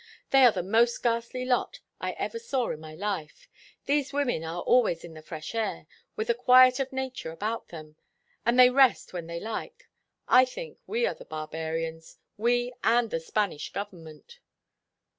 They are the most ghastly lot I ever saw in my life. These women are always in the fresh air, with the quiet of nature about them, and they rest when they like. I think we are the barbarians—we and the Spanish government."